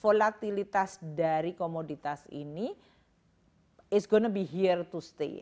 volatilitas dari komoditas ini akan tetap di sini